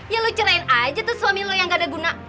ya lo cerain aja tuh suami lo yang gak ada guna